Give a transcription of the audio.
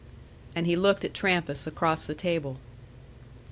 And he looked at Trampas across the table.